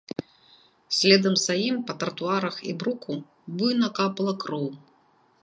Следам за ім па тратуарах і бруку буйна капала кроў.